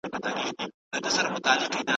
ذهن کولای شي بدلون ومني.